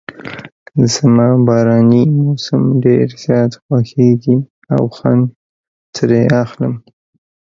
زما باراني موسم ډېر زیات خوښیږي او خوند ترې اخلم.